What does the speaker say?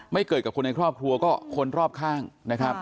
เกิดกับคนในครอบครัวก็คนรอบข้างนะครับ